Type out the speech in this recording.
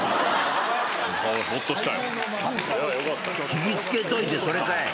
引き付けといてそれかい！